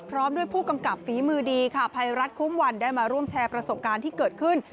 พร้อมด้วยผู้กำกับฝีมือดีค่ะภัยรัฐคุ้มวันได้มาร่วมแชร์ประสบการณ์ที่เกิดขึ้น